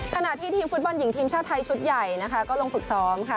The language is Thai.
ขณะที่ทีมฟุตบอลหญิงทีมชาติไทยชุดใหญ่นะคะก็ลงฝึกซ้อมค่ะ